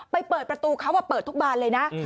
เปิดประตูเขาเปิดทุกบานเลยนะ